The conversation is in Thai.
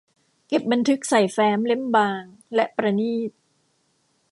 เก็บบันทึกใส่แฟ้มเล่มบางและประณีต